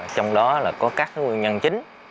trong đó là có các nguyên nhân chính